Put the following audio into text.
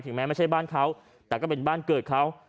แม้ไม่ใช่บ้านเขาแต่ก็เป็นบ้านเกิดเขา